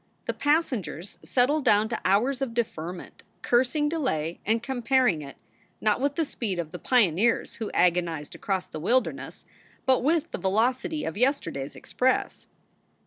The passengers settled down to hours of deferment, cursing delay and comparing it, not with the speed of the pioneers who agonized across the wilderness, but with the velocity of yesterday s express.